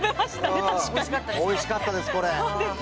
おいしかったです。